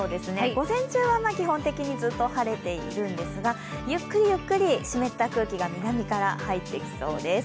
午前中は基本的にずっと晴れているんですがゆっくりゆっくり湿った空気が南から入ってきそうです。